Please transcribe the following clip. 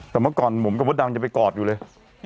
แต่เมื่อก่อนผมกับพ่อดำยังไปกอดอยู่เลย